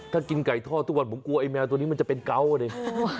ถ้ากินไก่ทอดทุกวันผมกลัวไอ้แมวตัวนี้มันจะเป็นเกาะอ่ะดิ